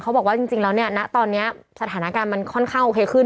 บอกว่าจริงแล้วเนี่ยณตอนนี้สถานการณ์มันค่อนข้างโอเคขึ้น